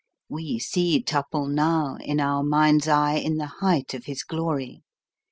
We see Tupple now, in our mind's eye, in the height of his glory.